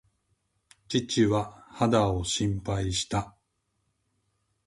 父は肌を心配した。